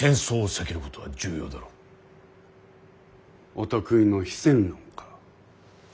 お得意の非戦論か。